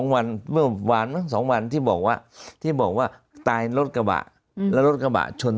๒วันสองวันที่บอกว่าที่บอกว่าตายรถกระบะแล้วรถกระบะชน